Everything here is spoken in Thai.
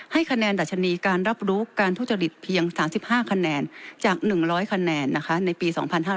คะแนนดัชนีการรับรู้การทุจริตเพียง๓๕คะแนนจาก๑๐๐คะแนนในปี๒๕๕๙